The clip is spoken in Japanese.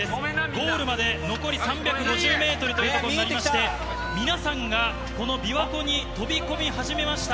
ゴールまで残り３５０メートルという所になりまして、皆さんがこのびわ湖に飛び込み始めました。